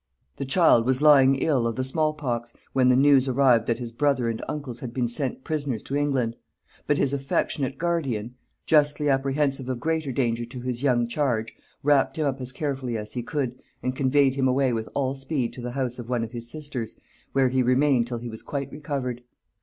The child was lying ill of the small pox, when the news arrived that his brother and uncles had been sent prisoners to England: but his affectionate guardian, justly apprehensive of greater danger to his young charge, wrapped him up as carefully as he could, and conveyed him away with all speed to the house of one of his sisters, where he remained till he was quite recovered.